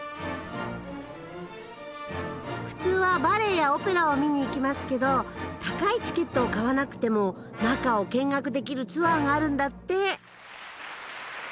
普通はバレエやオペラを見に行きますけど高いチケットを買わなくても中を見学できるツアーがあるんだって。